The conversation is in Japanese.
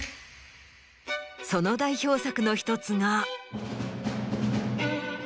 その代表作の１つが。